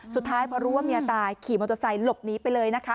สุดท้ายพอรู้ว่าเมียตายขี่มอเตอร์ไซค์หลบหนีไปเลยนะคะ